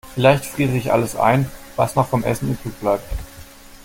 Vielleicht friere ich alles ein, was noch vom Essen übrigbleibt.